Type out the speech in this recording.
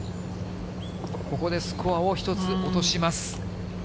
ここでスコアを１つ落とします。